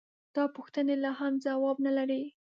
دا پوښتنې لا هم ځواب نه لري.